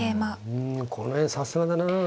うんこの辺さすがだなあ。